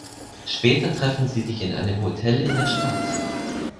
Später treffen sie sich in einem Hotel in der Stadt.